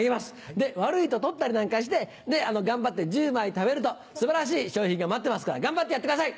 で悪いと取ったりなんかして頑張って１０枚ためると素晴らしい賞品が待ってますから頑張ってやってください。